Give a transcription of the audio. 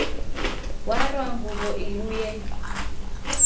Warwa nguwo iluye